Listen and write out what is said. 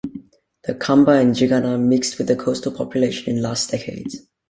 The Kamba and Jigana mixed with the coastal population in last decades.